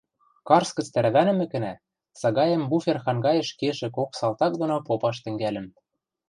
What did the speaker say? Карс гӹц тӓрвӓнӹмӹкӹнӓ, сагаэм буфер хангаэш кешӹ кок салтак доно попаш тӹнгӓльӹм.